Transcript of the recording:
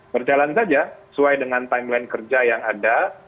berjalan saja sesuai dengan timeline kerja yang ada